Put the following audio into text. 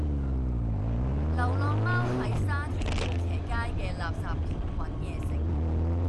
流浪貓喺沙田禾輋街嘅垃圾桶搵野食